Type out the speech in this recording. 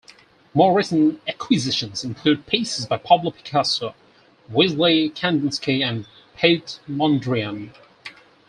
More recent acquisitions include pieces by Pablo Picasso, Wassily Kandinsky and Piet Mondrian.